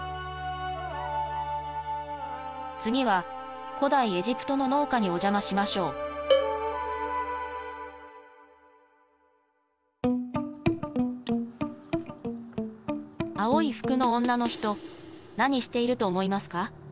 次は古代エジプトの農家にお邪魔しましょう青い服の女の人何していると思いますか？